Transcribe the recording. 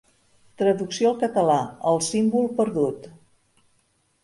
Traducció al català El símbol perdut.